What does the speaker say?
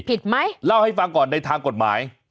ผิดไหมเล่าให้ฟังก่อนในทางกฎหมาย